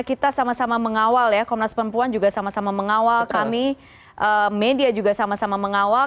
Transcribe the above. kita sama sama mengawal ya komnas perempuan juga sama sama mengawal kami media juga sama sama mengawal